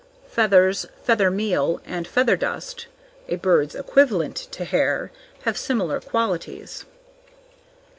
Feathers, feather meal and feather dust (a bird's equivalent to hair) have similar qualities.